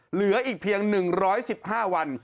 เหลืออีกเพียง๑๑๕วัน